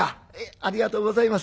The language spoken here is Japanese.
ありがとうございます。